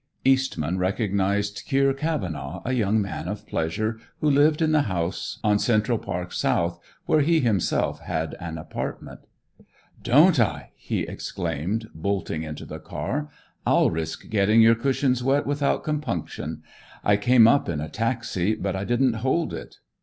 Eastman recognized Kier Cavenaugh, a young man of pleasure, who lived in the house on Central Park South, where he himself had an apartment. "Don't I?" he exclaimed, bolting into the car. "I'll risk getting your cushions wet without compunction. I came up in a taxi, but I didn't hold it.